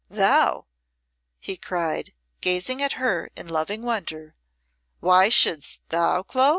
"Thou!" he cried, gazing at her in loving wonder. "Why shouldst thou, Clo?"